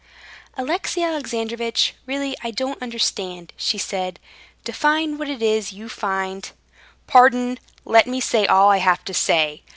"Alexey Alexandrovitch, really I don't understand," she said. "Define what it is you find...." "Pardon, let me say all I have to say.